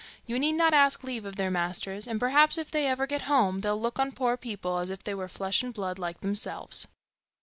You need not ask leave of their masters; and perhaps if they ever get home, they'll look on poor people as if they were flesh and blood like themselves.